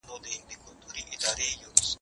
کوڼ دوه واره خاندي.